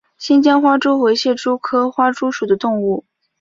新疆花蛛为蟹蛛科花蛛属的动物。